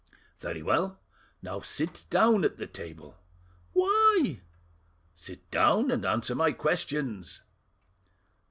"Very well. Now sit down at the table." "Why?" "Sit down, and answer my questions."